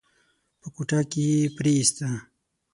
په کوټه کې يې پريېسته.